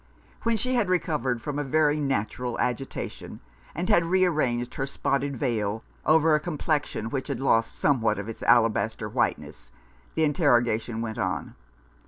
When she had recovered from a very natural agitation, and had rearranged her spotted veil over a complexion which had lost somewhat of its alabaster whiteness, the interrogation went on.